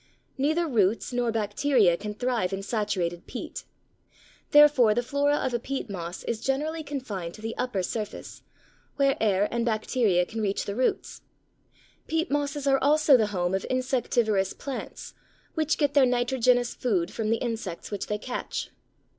Neither roots nor bacteria can thrive in saturated peat; therefore the flora of a peat moss is generally confined to the upper surface, where air and bacteria can reach the roots. Peat mosses are also the home of insectivorous plants, which get their nitrogenous food from the insects which they catch.